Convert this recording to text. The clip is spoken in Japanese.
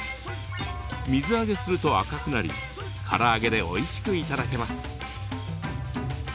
水揚げすると赤くなりから揚げでおいしく頂けます。